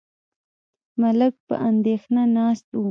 ملک په اندېښنه ناست و.